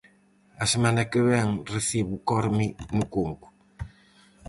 A semana que vén, recibe o Corme no Conco.